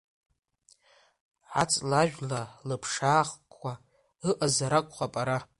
Аҵлажәла лыԥшаахқәа ыҟазар акәхап ара?